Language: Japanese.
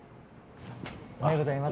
おはようございます。